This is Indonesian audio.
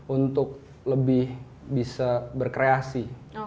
untuk lebih bisa berkreasi